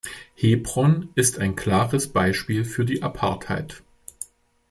Hebron ist ein klares Beispiel für die Apartheid.